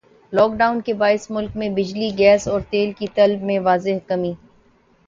lock Dawn کے باعث ملک میں بجلی گیس اور تیل کی طلب میں واضح کمی